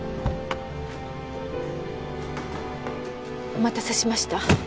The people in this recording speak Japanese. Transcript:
お待たせしました。